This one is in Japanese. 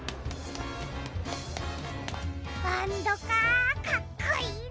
バンドかあかっこいいな。